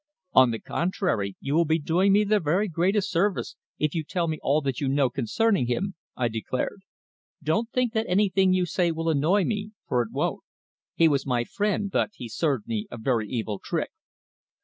"On the contrary, you will be doing me the very greatest service if you tell me all that you know concerning him," I declared. "Don't think that anything you say will annoy me, for it won't. He was my friend, but he served me a very evil trick."